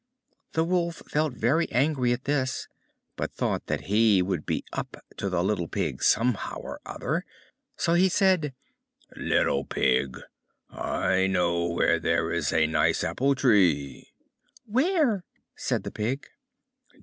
The Wolf felt very angry at this, but thought that he would be up to the little Pig somehow or other; so he said, "Little Pig, I know where there is a nice apple tree." "Where?" said the Pig.